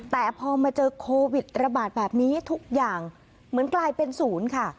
แต่พอมาเจอโควิดระบาดแบบนี้ทุกอย่างเหมือนกลายเป็นศูนย์ค่ะ